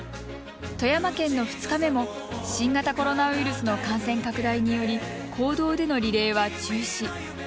富山県の２日目も新型コロナウイルスの感染拡大により公道でのリレーは中止。